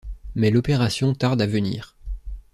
Mais l'opération tarde à venir.